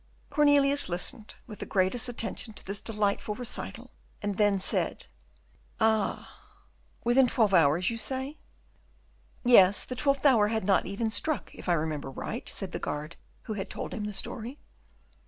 Cornelius listened with the greatest attention to this delightful recital, and then said, "Ah! ah! within twelve hours, you say?" "Yes, the twelfth hour had not even struck, if I remember right," said the guard who had told him the story.